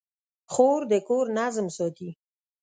خور د کور نظم ساتي.